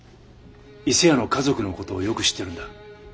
伊勢屋の家族の事をよく知ってるんだ。